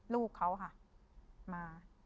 ลูกเขาค่ะมา